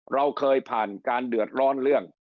เราเคยผ่านการเดือดร้อนเรื่อง